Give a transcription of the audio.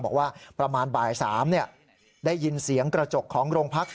บอกว่าประมาณบ่าย๓ได้ยินเสียงกระจกของโรงพัก